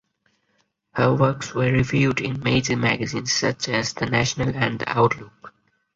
Her works were reviewed in major magazines such as The Nation and The Outlook.